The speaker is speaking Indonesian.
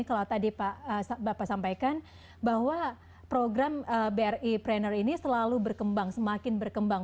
jadi saya ingin tahu tadi pak bapak sampaikan bahwa program bri pranner ini selalu berkembang semakin berkembang